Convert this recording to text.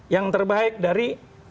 yang terbaik dari